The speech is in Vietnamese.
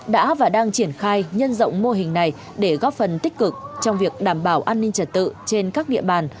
đã và đang triển khai nhân rộng mô hình này để góp phần tích cực trong việc đảm bảo an ninh trật tự trên các địa bàn